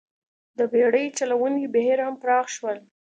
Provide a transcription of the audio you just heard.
د بېړۍ چلونې بهیر هم پراخ شول